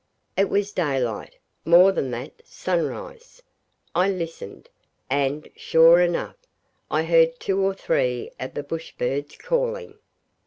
It was daylight; more than that sunrise. I listened, and, sure enough, I heard two or three of the bush birds calling.